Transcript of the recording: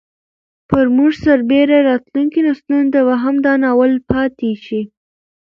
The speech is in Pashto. پر موږ سربېره راتلونکو نسلونو ته به هم دا ناول پاتې شي.